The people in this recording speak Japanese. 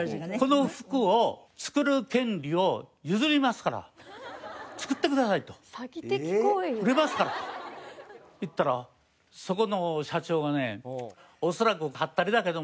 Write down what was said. この服を作る権利を譲りますから作ってくださいと売れますからと言ったらそこの社長がね「恐らくハッタリだけども」